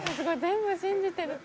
全部信じてる」